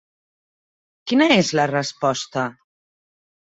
Quina és la resposta?